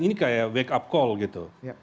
ini kayak wake up call gitu